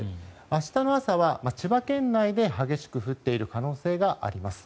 明日の朝は、千葉県内で激しく降っている可能性があります。